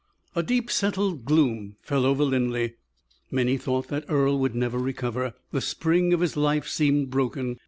A deep, settled gloom fell over Linleigh. Many thought that Earle would never recover; the spring of his life seemed broken.